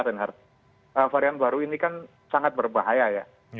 reinhardt varian baru ini kan sangat berbahaya ya